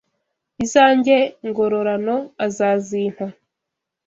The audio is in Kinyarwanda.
Izanjye ngororano azazimpa